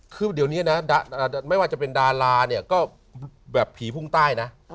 คือเดี๋ยวนี้นะไม่ว่าจะเป็นดาราเนี่ยก็แบบผีพุ่งใต้นะ